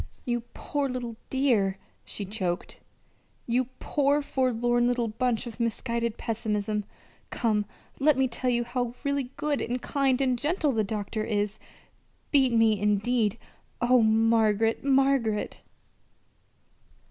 "You poor little dear!" she choked. "You poor forlorn little bunch of misguided pessimism! Come, let me tell you how really good and kind and gentle the doctor is. Beat me, indeed! Oh, Margaret, Margaret!"